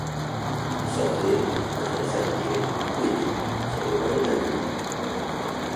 Il sortait, il préférait s’allonger, tout vêtu, sur le pavé de la cour.